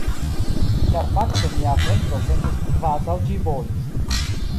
Ĉar fakte mia ventro sentis kvazaŭ ĝi bolis.